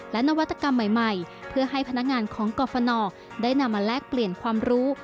และนวัตกรรมใหม่เพื่อให้พนักงานของกรฟนได้นำมาแลกเปลี่ยนความรู้